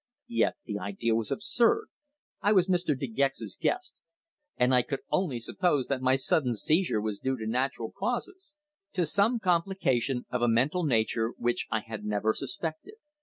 Yet the idea was absurd. I was Mr. De Gex's guest, and I could only suppose that my sudden seizure was due to natural causes to some complication of a mental nature which I had never suspected.